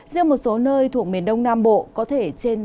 riêng một số nơi thuộc miền đông nam bộ có thể trên ba bốn độ